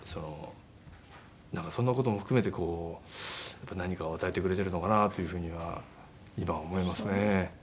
なんかそんな事も含めてこう何かを与えてくれてるのかなというふうには今は思いますね。